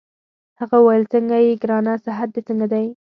هغه وویل: څنګه يې ګرانه؟ صحت دي څنګه دی؟